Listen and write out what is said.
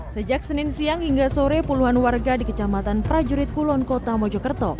sejak senin siang hingga sore puluhan warga di kecamatan prajurit kulon kota mojokerto